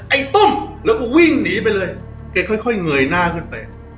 ไอ้ต้มแล้วก็วิ่งหนีไปเลยแกค่อยเงยหน้าขึ้นไป